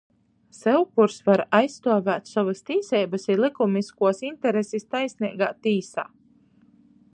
Sevkurs var aizstuovēt sovys tīseibys i lykumiskuos interesis taisneigā tīsā.